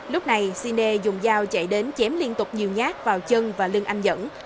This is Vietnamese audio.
lúc này sinea dùng dao chạy đến chém liên tục nhiều nhát vào chân và lưng anh nhẫn